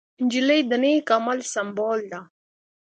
نجلۍ د نېک عمل سمبول ده.